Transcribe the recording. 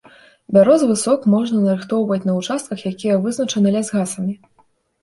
Бярозавы сок можна нарыхтоўваць на участках, якія вызначаны лясгасамі.